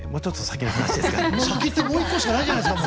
先ってもう１個しかないじゃないですか。